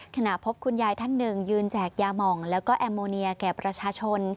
ขณะพบคุณยายท่านหนึ่งยืนแจกยาหม่องแล้วก็แอมโมเนียแก่ประชาชน